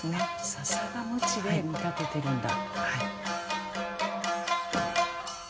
笹がムチで見立ててるんだ。